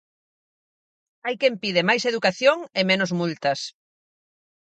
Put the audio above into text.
Hai quen pide máis educación e menos multas.